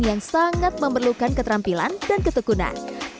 yang sangat memerlukan keterampilan dan ketekunan